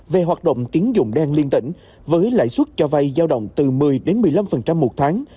về hoạt động tiến dụng đen liên tỉnh với lãi suất cho vay giao động từ một mươi một mươi năm một tháng